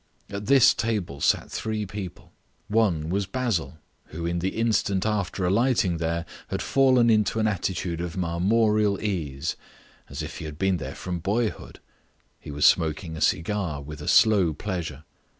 At this table sat three people. One was Basil, who, in the instant after alighting there, had fallen into an attitude of marmoreal ease as if he had been there from boyhood; he was smoking a cigar with a slow pleasure.